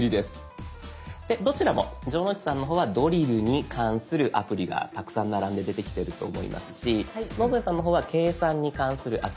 でどちらも城之内さんの方はドリルに関するアプリがたくさん並んで出てきてると思いますし野添さんの方は計算に関するアプリがたくさん並んで出てきていると思います。